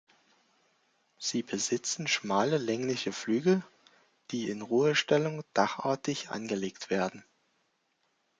Sie besitzen schmale längliche Flügel, die in Ruhestellung dachartig angelegt werden.